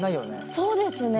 そうですね。